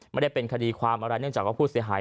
มันเป็นคดีความเรื่องผิดเสียหาย